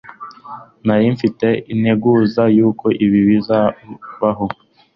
nari mfite integuza yuko ibi bizabaho